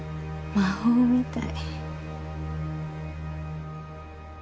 魔法みたい。